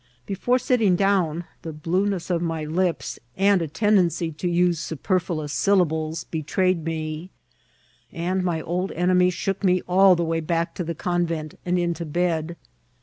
Before sitting down, the blueness of my lips, and a tendency to use superflu VoL. L— 3 A S70 IKCIBBKT8 OP TEATBL. ons syllablesi betrayed me ; and my old enemy shook me all the way back to the convent, and into bed.